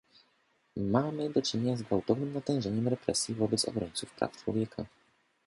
Mamy do czynienia z gwałtownym natężeniem represji wobec obrońców praw człowieka